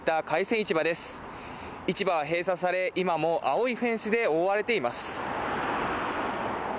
市場は閉鎖され、今も青いフェンスで覆われています。